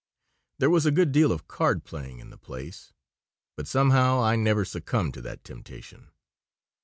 There was a good deal of card playing in the place, but somehow I never succumbed to that temptation.